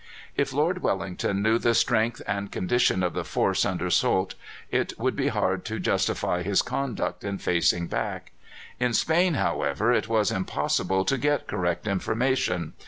If Lord Wellington knew the strength and condition of the force under Soult, it would be hard to justify his conduct in facing back. In Spain, however, it was impossible to get correct information.